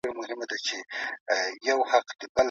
کاردستي پر اعتماد او عاطفه هم اغېزه کوي.